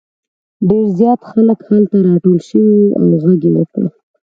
ډېر زیات خلک هلته راټول شوي وو او غږ یې وکړ.